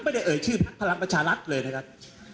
ไม่ได้เอ่ยชื่อพักพลักษณ์ประชารักษณ์เลยนะครับ